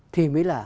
thì mới là